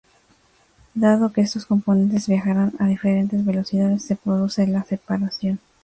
Dado que estos componentes viajarán a diferentes velocidades, se produce la separación.